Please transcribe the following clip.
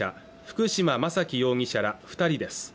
福島真樹容疑者ら二人です